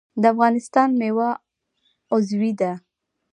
د افغانستان میوه عضوي ده